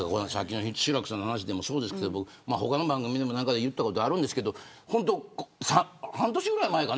志らくさんの話でもそうですけど他の番組でも何回か言ったことあるんですけど半年ぐらい前かな